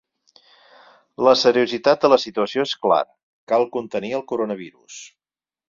La seriositat de la situació és clara: cal contenir el coronavirus.